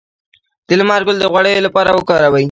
د لمر ګل د غوړیو لپاره وکاروئ